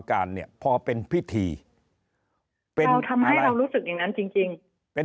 การเนี่ยพอเป็นพิธีเป็นเราทำให้เรารู้สึกอย่างนั้นจริงจริงเป็น